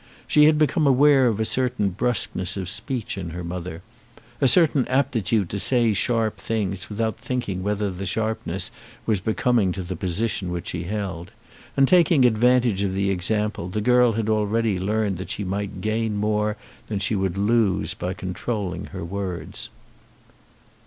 She had become aware of a certain brusqueness of speech in her mother, a certain aptitude to say sharp things without thinking whether the sharpness was becoming to the position which she held, and, taking advantage of the example, the girl had already learned that she might gain more than she would lose by controlling her words.